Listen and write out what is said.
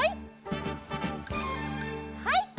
はい。